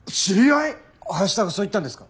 林田がそう言ったんですか？